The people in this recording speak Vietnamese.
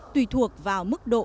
tùy thuộc vào mức độ